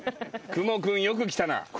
蜘蛛君よく来たな。